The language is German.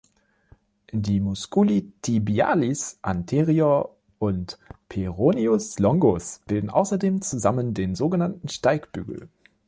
Die Musculi tibialis anterior und peroneus longus bilden außerdem zusammen den sogenannten „Steigbügel“.